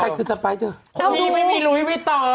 ใครขึ้นต่อไปเจ๊าโอ้โฮไม่รู้อย่างนี้ไม่ต้อง